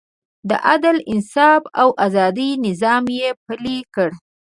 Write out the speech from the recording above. د عدل، انصاف او ازادۍ نظام یې پلی کړ.